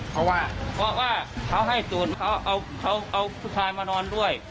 เพราะว่าเขาให้สูตรเขาเอาผู้ชายมานอนด้วย